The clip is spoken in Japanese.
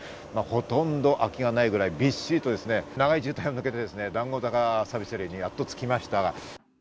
ほとんど空きがないぐらいびっしりと長い渋滞を抜けて談合坂サービスエリアにやっと着きました。